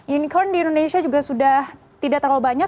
unicorn di indonesia juga sudah tidak terlalu banyak